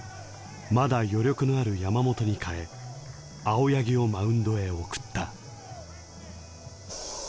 まだ余力のある山本に代え青柳をマウンドへ送った。